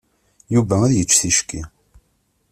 Yuba ad yečč ticki.